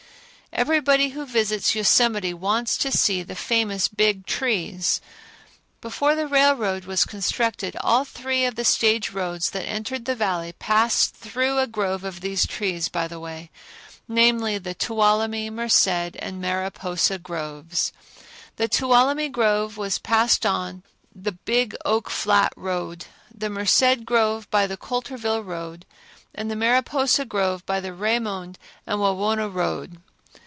Everybody who visits Yosemite wants to see the famous Big Trees. Before the railroad was constructed, all three of the stage roads that entered the Valley passed through a grove of these trees by the way; namely, the Tuolumne, Merced and Mariposa groves. The Tuolumne grove was passed on the Big Oak Flat road, the Merced grove by the Coulterville road and the Mariposa grove by the Raymond and Wawona road.